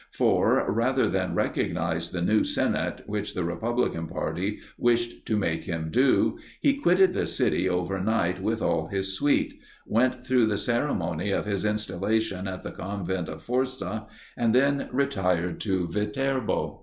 For, rather than recognize the new senate, which the republican party wished to make him do, he quitted the city overnight with all his suite; went through the ceremony of his installation at the convent of Forsa; and then retired to Viterbo.